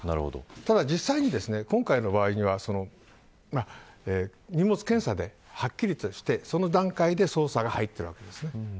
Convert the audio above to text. ただ、実際に今回の場合には荷物検査で、はっきりとしてその段階で捜査が入っているわけです。